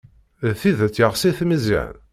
D tidet yeɣs-it Meẓyan?